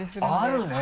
あるね。